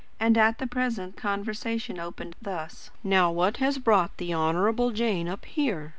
And the present conversation opened thus: "Now what has brought the Honourable Jane up here?"